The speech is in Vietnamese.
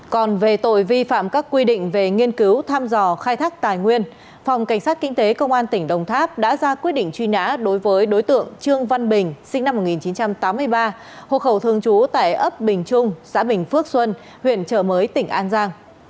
còn về tội vi phạm các quy định về nghiên cứu thăm dò khai thác tài nguyên phòng cảnh sát kinh tế công an tỉnh đồng tháp đã ra quyết định truy nã đối với đối tượng trương văn bình sinh năm một nghìn chín trăm tám mươi ba hộ khẩu thường trú tại ấp bình trung xã bình phước xuân huyện trợ mới tỉnh an giang